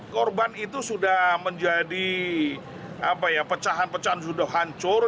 korban itu sudah menjadi pecahan pecahan sudah hancur